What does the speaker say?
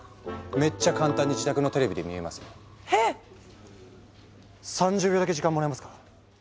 めっちゃ簡単に自宅のテレビで見れますよ。へ⁉３０秒だけ時間もらえますか？